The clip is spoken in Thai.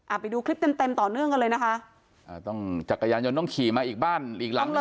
ไปดูคลิปเต็มเต็มต่อเนื่องกันเลยนะคะอ่าต้องจักรยานยนต์ต้องขี่มาอีกบ้านอีกหลังหนึ่ง